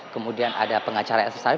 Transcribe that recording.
kemudian ada pengacara yang sesuai